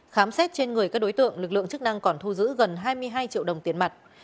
khám xét trên người các đối tượng lực lượng chức năng còn thu giữ gần hai mươi hai triệu đồng tiền mặt